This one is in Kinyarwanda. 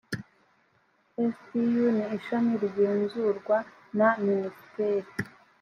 spiu ni ishami rigenzurwa na minisiteri